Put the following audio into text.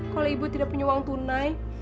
kalau ibu tidak punya uang tunai